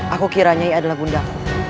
aku kira nyai adalah bundaku